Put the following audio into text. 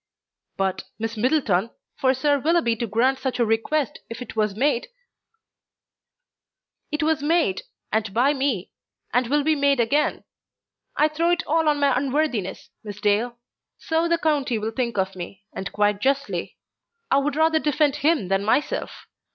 "But, Miss Middleton, for Sir Willoughby to grant such a request, if it was made ..." "It was made, and by me, and will be made again. I throw it all on my unworthiness, Miss Dale. So the county will think of me, and quite justly. I would rather defend him than myself.